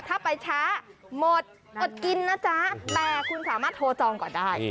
ถ้าไปช้าหมดอดกินนะจ๊ะแต่คุณสามารถโทรจองก่อนได้